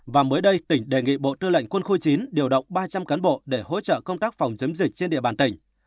và mới đây tỉnh đề nghị bộ tư lệnh quân khu chín điều động ba trăm linh cán bộ để hỗ trợ công tác phòng chống dịch trên địa bàn tỉnh